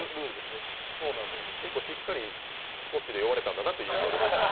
結構しっかりスコッチで酔われたんだなという感じでした。